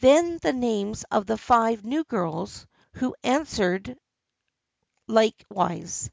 Then the names of the five new girls, who answered like wise.